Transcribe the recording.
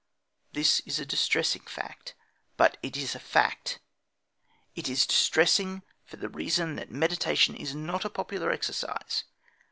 This is a distressing fact. But it is a fact. It is distressing, for the reason that meditation is not a popular exercise.